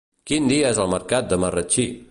Quin dia és el mercat de Marratxí?